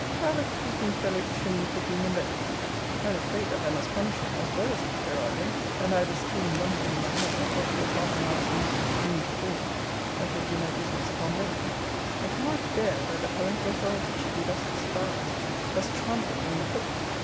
How the creeping fellow trims between both! I am afraid, that I must punish him, as well as this virago; and I have a scheme rumbling in my head, that wants but half an hour's musing to bring into form, that will do my business upon both. I cannot bear, that the parental authority should be thus despised, thus trampled under foot.